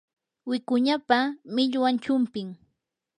wikuñapa millwan chumpim.